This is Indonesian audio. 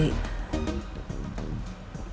alu pakai itu